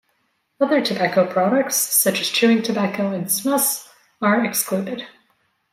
Other tobacco products, such as chewing tobacco and snus, are excluded.